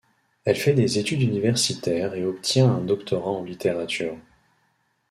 Elle fait des études universitaires et obtient un doctorat en littérature.